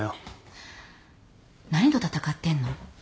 何と戦ってんの？